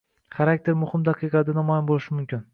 Xarakter muhim daqiqalarda namoyon bo'lishi mumkin.